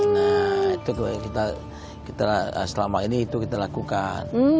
nah itu yang kita selama ini itu kita lakukan